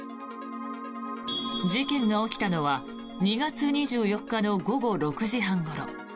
事件が起きたのは２月２４日の午後６時半ごろ。